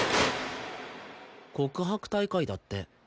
告白大会だって。